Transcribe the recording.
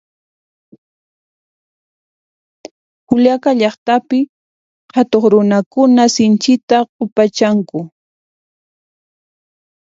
Juliaca llaqtapi qhatuq runakuna sinchita q'upachanku